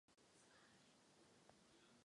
Postavena železnice a silniční síť.